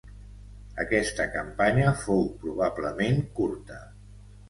Aquesta campanya fou probablement curta.